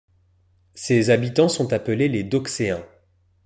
Ses habitants sont appelés les Dauxéens.